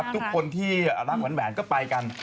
ทุกคนที่รักแหวนก็ไปกัน